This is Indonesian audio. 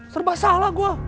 serba salah gue